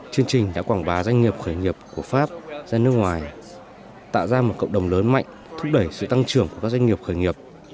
chương trình đã quảng bá doanh nghiệp khởi nghiệp của pháp ra nước ngoài tạo ra một cộng đồng lớn mạnh thúc đẩy sự tăng trưởng của các doanh nghiệp khởi nghiệp